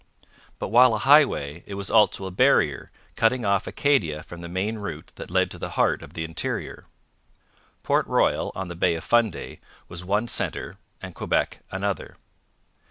But while a highway it was also a barrier, cutting off Acadia from the main route that led to the heart of the interior. Port Royal, on the Bay of Fundy, was one centre and Quebec another.